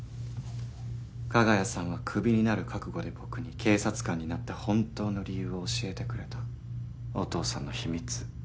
加賀谷さんはクビになる覚悟で僕に警察官になった本当の理由を教えてくれたお父さんの秘密